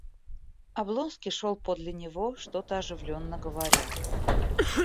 Облонский шел подле него, что-то оживленно говоря.